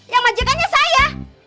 yang majikannya saya